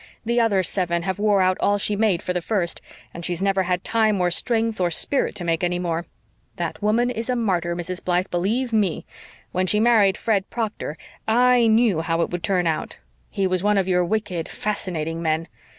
The other seven have wore out all she made for the first, and she's never had time or strength or spirit to make any more. That woman is a martyr, Mrs. Blythe, believe ME. When she married Fred Proctor I knew how it would turn out. He was one of your wicked, fascinating men.